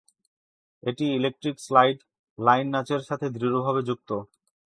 এটি "electric slide" line নাচের সাথে দৃঢ়ভাবে যুক্ত।